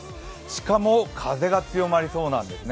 しかも、風が強まりそうなんです。